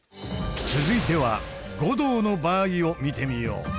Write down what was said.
続いては護道の場合を見てみよう。